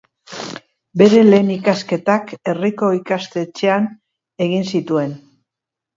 Bere lehen ikasketak herriko ikastetxean egin zituen.